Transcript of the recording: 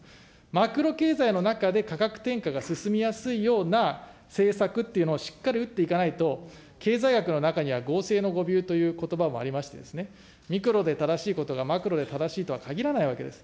マクロ経済の中で価格転嫁が進みやすいような政策っていうのをしっかり打っていかないと、経済学の中には、ごうせいの誤びゅうということばもありましてですね、ミクロで正しいことがマクロで正しいとは限らないわけです。